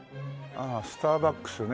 ああスターバックスね